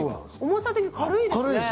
重さ的にも軽いですね。